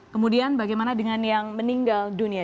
kemudian bagaimana dengan yang meninggal dunia